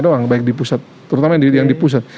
doang baik di pusat terutama yang di pusat